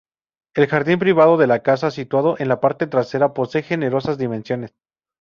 El jardín privado de la casa, situado en la parte trasera, posee generosas dimensiones.